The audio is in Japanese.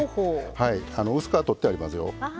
薄皮取ってありますよ。